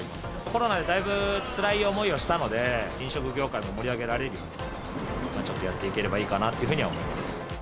コロナでだいぶつらい思いをしたので、飲食業界を盛り上げられるように、ちょっとやっていければいいかなというふうに思います。